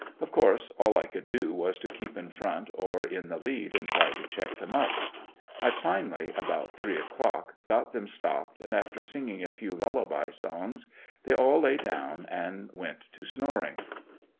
Of course all I could do was to keep in front or in the lead and try to check them up. I finally about three o'clock got them stopped and after singing a few "lullaby" songs they all lay down and went to snoring.